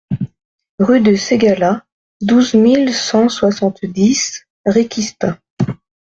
Rue du Ségala, douze mille cent soixante-dix Réquista